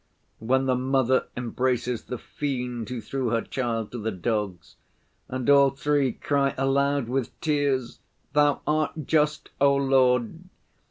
When the mother embraces the fiend who threw her child to the dogs, and all three cry aloud with tears, 'Thou art just, O Lord!